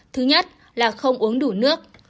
thứ nhất là không uống đủ nước